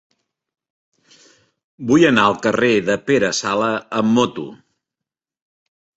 Vull anar al carrer de Pere Sala amb moto.